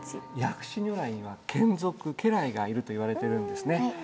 薬師如来には眷属家来がいるといわれてるんですね。